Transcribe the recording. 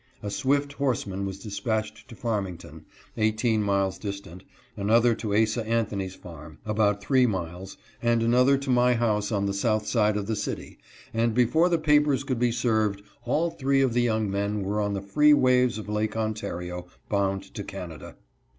A swift horseman was dispatched to Farming ton, eighteen miles distant, another to Asa Anthony's farm, about three miles, and another to my house on the south side of the city, and before the papers could be ■served all three of the young men were on the free waves of Lake Ontario, bound to Canada.